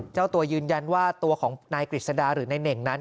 เจ้าตัวยืนยันว่าตัวของนายกฤษดาหรือนายเหน่งนั้น